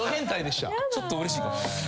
ちょっとうれしい。